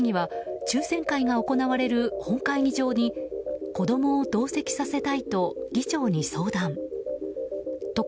抽選の１５分ほど前に諸井市議は抽選会が行われる本会議場に子供を同席させたいと議長に相談。